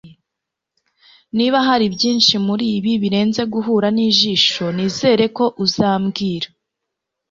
niba hari byinshi muribi birenze guhura nijisho, nizere ko uzambwira